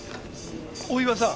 大岩さん。